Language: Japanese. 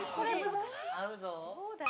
合うぞ。